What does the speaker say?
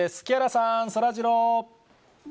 木原さん、そらジロー。